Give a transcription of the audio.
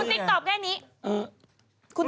ติ๊กตอบแค่นี้